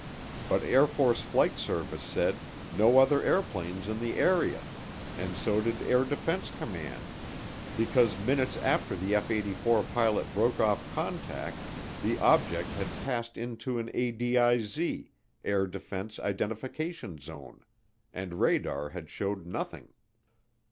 But Air Force Flight Service said, "No other airplanes in the area," and so did Air Defense Command, because minutes after the F 84 pilot broke off contact, the "object" had passed into an ADIZ Air Defense Identification Zone and radar had shown nothing.